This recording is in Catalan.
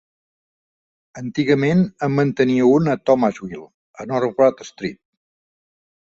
Antigament en mantenia un a Thomasville, a North Broad Street.